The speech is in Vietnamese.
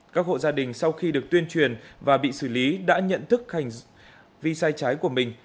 các hộ gia đình sau khi được tuyên truyền và bị xử lý đã nhận thức hành vi sai trái của mình